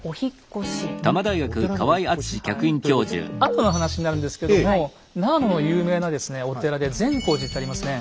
後の話になるんですけども長野の有名なですねお寺で善光寺ってありますね。